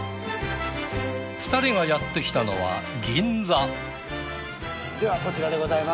２人がやってきたのは銀座。